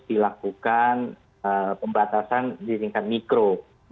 dilakukan pembatasan di tingkat mikro